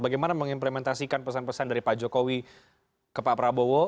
bagaimana mengimplementasikan pesan pesan dari pak jokowi ke pak prabowo